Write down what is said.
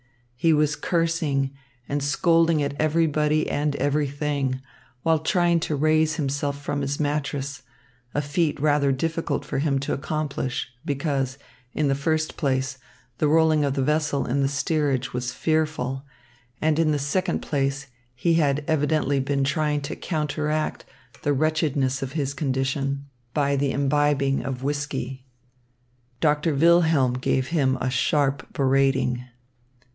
He was cursing and scolding at everybody and everything, while trying to raise himself from his mattress; a feat rather difficult for him to accomplish, because, in the first place, the rolling of the vessel in the steerage was fearful, and in the second place, he had evidently been trying to counteract the wretchedness of his condition by the imbibing of whisky. Doctor Wilhelm gave him a sharp berating.